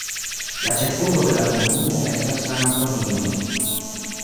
La ĉefurbo de la komunumo estas San Antonio.